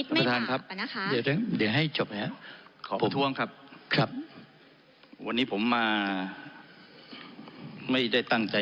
แล้วห้ายให้จบเนี่ยผมชวนครับครับวันนี้ผมมาไม่ได้ตั้งใจ